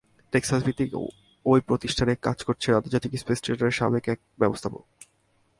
টেক্সাসভিত্তিক ওই প্রতিষ্ঠানে কাজ করছেন আন্তর্জাতিক স্পেস স্টেশনের সাবেক এক ব্যবস্থাপক।